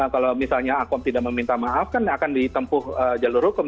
kalau misalnya akom tidak meminta maaf kan akan ditempuh jalur hukum